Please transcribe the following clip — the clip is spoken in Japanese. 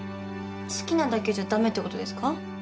好きなだけじゃ駄目ってことですか？